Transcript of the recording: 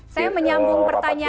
saya menyambung pertanyaan